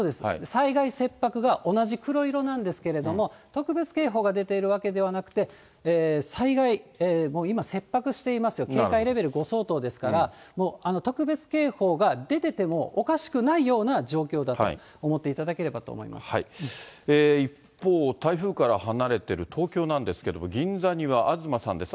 災害切迫が同じ黒色なんですけど、特別警報が出ているわけではなくて、災害、今切迫していますよ、警戒レベル５相当ですから、特別警報が出ててもおかしくないような状況だと思っていただけれ一方、台風から離れてる東京なんですけれども、銀座には東さんです。